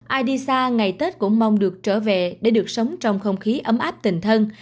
ai đi xa ngày tết cũng mong được trở về để được sống trong không khí ấm áp tình thân